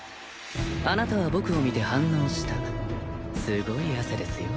あなたは僕を見て反応したすごい汗ですよ